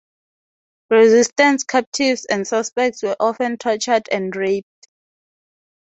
Resistance captives and suspects were often tortured and raped.